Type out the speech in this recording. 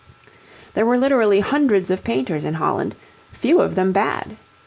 There were literally hundreds of painters in Holland, few of them bad.